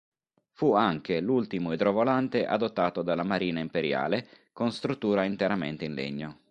Fu anche l'ultimo idrovolante adottato dalla marina imperiale con struttura interamente in legno.